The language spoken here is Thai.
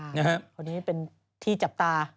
คนนี้เป็นที่จับตา